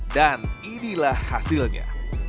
dan inilah hasilnya